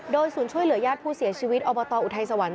โดยศูนย์ช่วยเหลือญาติผู้เสียชีวิตอบตอุทัยสวรรค